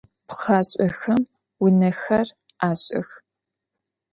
Pxhaş'exem vunexer aş'ıx.